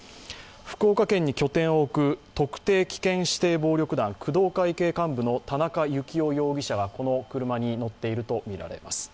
福岡県に拠点を置く特定危険指定暴力団、工藤会系の幹部、田中容疑者がこの車に乗っているとみられます。